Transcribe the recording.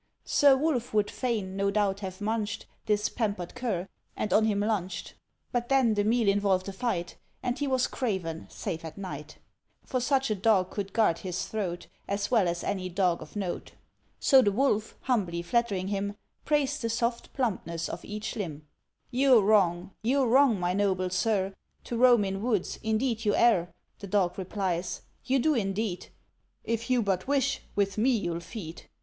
Sir Wolf would fain, no doubt, have munched This pampered cur, and on him lunched; But then the meal involved a fight, And he was craven, save at night; For such a dog could guard his throat As well as any dog of note. So the Wolf, humbly flattering him, Praised the soft plumpness of each limb. "You're wrong, you're wrong, my noble sir, To roam in woods indeed you err," The dog replies, "you do indeed; If you but wish, with me you'll feed.